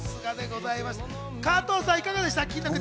加藤さん、いかがでしたか？